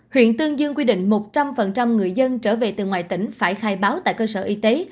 huyện tương dương quy định một trăm linh người dân trở về từ ngoài tỉnh phải khai báo tại cơ sở y tế